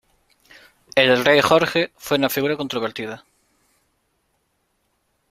El rey Jorge fue una figura controvertida.